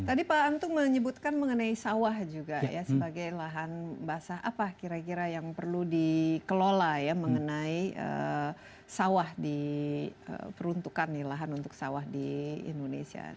tadi pak antu menyebutkan mengenai sawah juga ya sebagai lahan basah apa kira kira yang perlu dikelola ya mengenai sawah di peruntukan lahan untuk sawah di indonesia